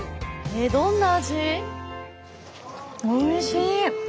どんな味？